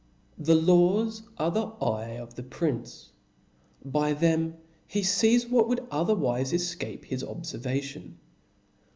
The laws are the eye of the prince ; by them he fees what would othefwiie efcape his oblerva tion.